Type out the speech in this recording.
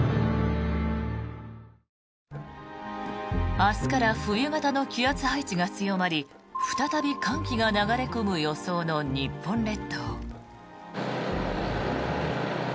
明日から冬型の気圧配置が強まり再び寒気が流れ込む予想の日本列島。